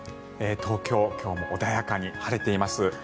東京、今日も穏やかに晴れています。